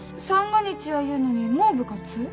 三が日やいうのにもう部活？